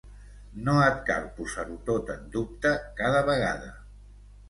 No et cal posar-ho tot en dubte cada vegada.